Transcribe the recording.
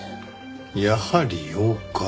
やはり妖怪。